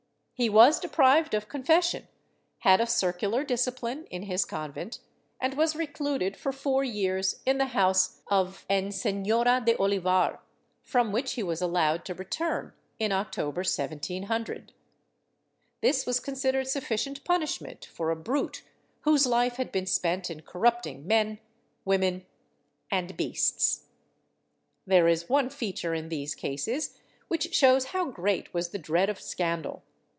He was deprived of confession, had a circular discipline in his convent, and was recluded for four years in the house of N. Senora del Olivar, from which he was allowed to return in October 1700.^ This was considered sufficient punishment for a brute whose life had been spent in corrupting men, women and beasts. There is one feature in these cases which shows how great was the dread of scandal.